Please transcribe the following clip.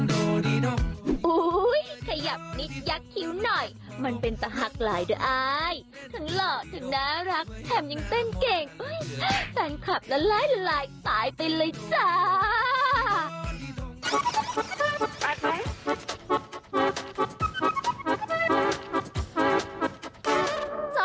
เต็มคลับละและแหลกตายไปเลยซ่า